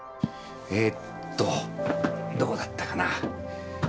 えっとどこだったかな？